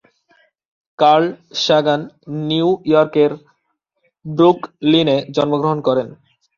Curl Sagan New ইয়র্কের ব্রুকলিনে জন্মগ্রহণ করেন।